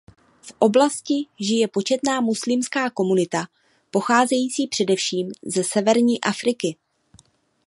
V oblasti žije početná muslimská komunita pocházející především ze severní Afriky.